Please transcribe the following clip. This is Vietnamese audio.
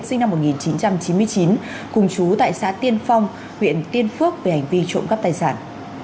sinh năm một nghìn chín trăm chín mươi chín cùng chú tại xã tiên phong huyện tiên phước về hành vi trộm cắp tài sản